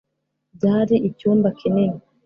byari icyumba kinini